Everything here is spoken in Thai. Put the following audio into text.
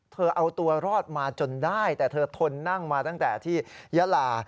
เธอเอาตัวรอดมาจนได้แต่เธอทนนั่งมาตั้งแต่ที่ยาลา